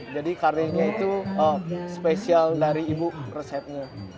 jadi karenya itu spesial dari ibu resepnya